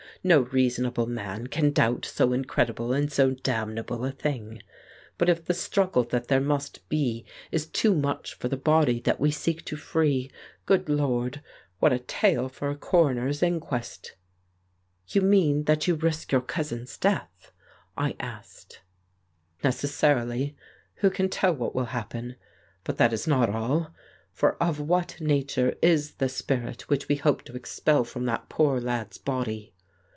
No reasonable man can doubt so incredible and so damnable a thing. But if the struggle that there must be is too much for the body that we seek to free, good Lord, what a tale for a coroner's inquest !" "You mean that you risk your cousin's death?" I asked. 163 The Case of Frank Hampden "Necessarily ; who can tell what will happen ? But that is not all. For of what nature is the spirit which we hope to expel from that poor lad's body?